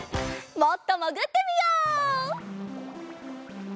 もっともぐってみよう。